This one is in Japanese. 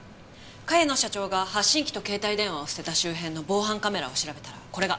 茅野社長が発信機と携帯電話を捨てた周辺の防犯カメラを調べたらこれが。